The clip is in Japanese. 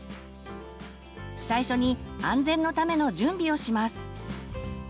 最初に安全のための準備をします。